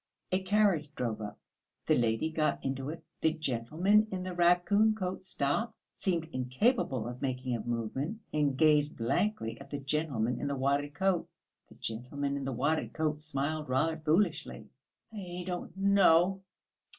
A carriage drove up; the lady got into it. The gentleman in the raccoon coat stopped, seemed incapable of making a movement and gazed blankly at the gentleman in the wadded coat. The gentleman in the wadded coat smiled rather foolishly. "I don't know...."